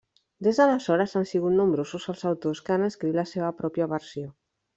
Des d'aleshores han sigut nombrosos els autors que han escrit la seva pròpia versió.